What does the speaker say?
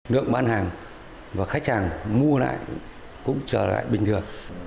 nước mắm hàng và khách hàng mua lại cũng trở lại bình thường